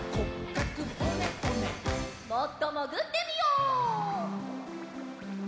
もっともぐってみよう。